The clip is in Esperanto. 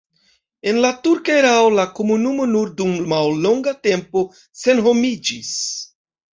En la turka erao la komunumo nur dum mallonga tempo senhomiĝis.